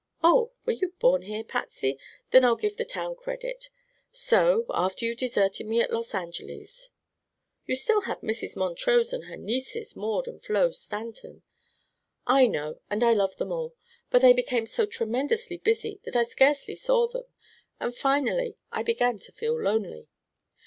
"Oh! were you born here, Patsy? Then I'll give the town credit. So, after you deserted me at Los Angeles " "You still had Mrs. Montrose and her nieces, Maud and Flo Stanton." "I know, and I love them all. But they became so tremendously busy that I scarcely saw them, and finally I began to feel lonely.